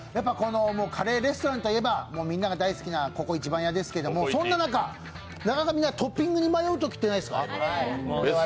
カレーレストランといえば、みんなが大好きなＣｏＣｏ壱番屋ですけど、そんな中、なかなか皆さんトッピングに迷うことってないですか？